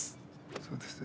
そうですよね。